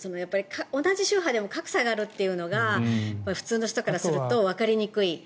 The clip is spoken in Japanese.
同じ宗派でも格差があるというのが普通の人からするとわかりにくい。